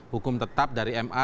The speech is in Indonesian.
hukum tetap dari ma